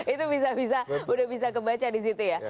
itu sudah bisa kebaca di situ ya